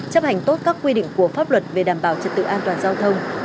chấp hành tốt các quy định của pháp luật về đảm bảo trật tự an toàn giao thông